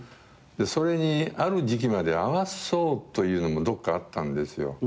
それにある時期まで合わそうというのもどっかあったんですよ。